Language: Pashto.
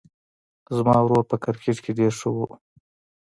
زما ورور په کرکټ کې ډېر ښه ده